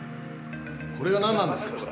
これが何なんですか？